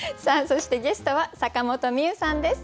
そしてゲストは坂本美雨さんです。